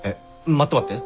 待って待って。